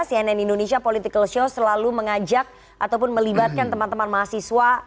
cnn indonesia political show selalu mengajak ataupun melibatkan teman teman mahasiswa